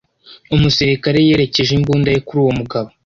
Umusirikare yerekeje imbunda ye kuri uwo mugabo.